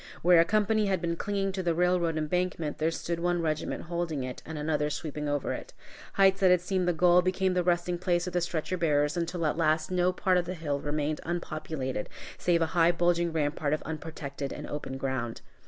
Where a company had been clinging to the railroad embankment, there stood one regiment holding it, and another sweeping over it. Heights that had seemed the goal, became the resting place of the stretcher bearers, until at last no part of the hill remained unpopulated, save a high bulging rampart of unprotected and open ground.